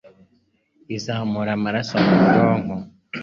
izamura amaraso mu bwonko,